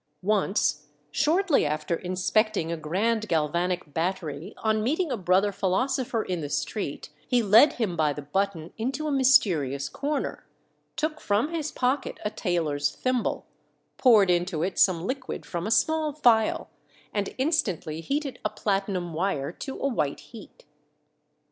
Once, shortly after inspecting a grand galvanic battery, on meeting a brother philosopher in the street he led him by the button into a mysterious corner, took from his pocket a tailor's thimble, poured into it some liquid from a small phial, and instantly heated a platinum wire to a white heat.